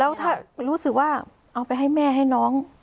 แล้วถ้ารู้สึกว่าเอาไปให้แม่ให้น้อง